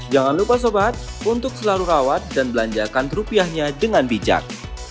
jangan lupa sobat untuk selalu rawat dan belanjakan rupiahnya dengan bijak